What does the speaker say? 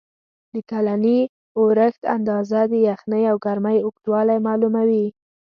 د کلني اورښت اندازه، د یخنۍ او ګرمۍ اوږدوالی معلوموي.